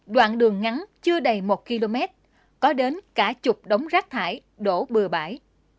đoạn đường ngắn chưa đầy một km có đến cả chục đống rác thải đổ bừa bãi